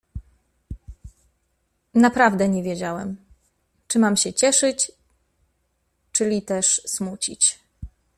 "Naprawdę, nie wiedziałem, czy mam się cieszyć, czyli też smucić."